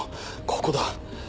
ここだ。